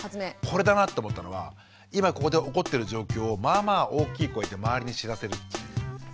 これだなって思ったのが今ここで起こってる状況をまあまあ大きい声で周りに知らせるっていう。